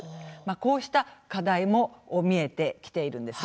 こうした課題も見えてきているんです。